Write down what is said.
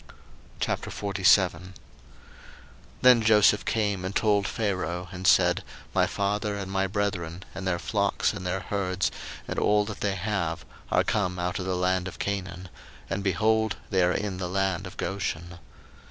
01:047:001 Then Joseph came and told Pharaoh, and said, My father and my brethren, and their flocks, and their herds, and all that they have, are come out of the land of Canaan; and, behold, they are in the land of Goshen.